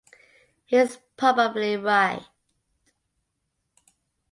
He's probably right.